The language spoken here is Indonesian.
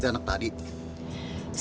siapa aja dia